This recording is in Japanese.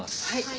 はい。